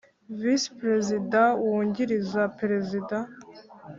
Visi Perezida yungiriza Perezida.